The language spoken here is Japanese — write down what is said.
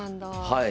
はい。